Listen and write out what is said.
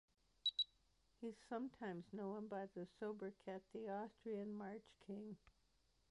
He is sometimes known by the sobriquet "The Austrian March King".